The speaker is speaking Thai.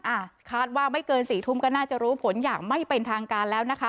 อ่ะคาดว่าไม่เกินสี่ทุ่มก็น่าจะรู้ผลอย่างไม่เป็นทางการแล้วนะคะ